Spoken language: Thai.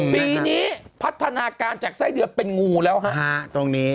ปีนี้พัฒนาการจากไส้เดือนเป็นงูแล้วฮะตรงนี้